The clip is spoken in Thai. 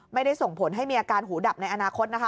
ไม่ได้ส่งผลให้มีอาการหูดับในอนาคตนะคะ